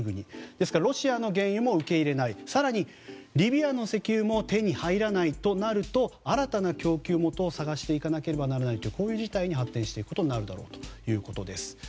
ですからロシアの原油も受け入れない更にリビアの石油も手に入らないとなると新たな供給元を探していかなければならないとこういう事態に発展していくことになるだろうということです。